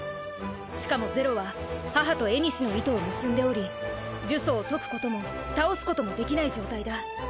しかも是露は母と縁の糸を結んでおり呪詛を解くことも倒すこともできない状態だ。